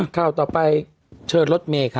ข่าวต่อไปเชิญรถเมย์ค่ะ